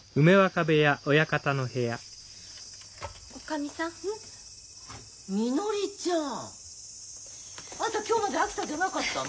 みのりちゃん！あんた今日まで秋田じゃなかったの？